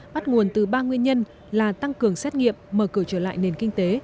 bắt nguồn từ ba nguyên nhân là tăng cường xét nghiệm mở cửa trở lại nền kinh tế